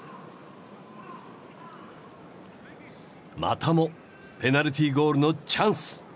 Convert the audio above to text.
またもペナルティーゴールのチャンス。